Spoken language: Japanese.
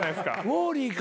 ウォーリーか。